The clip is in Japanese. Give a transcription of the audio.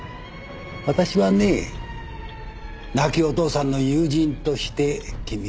私はね亡きお父さんの友人として君を守っている。